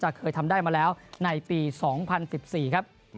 เคยทำได้มาแล้วในปี๒๐๑๔ครับ